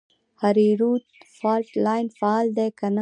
هریرود فالټ لاین فعال دی که نه؟